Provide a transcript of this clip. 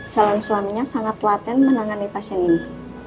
calon suaminya sangat laten menangani pasien ini